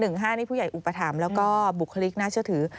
นี่ผู้ใหญ่อุปถัมภ์แล้วก็บุคลิกน่าเชื่อถือ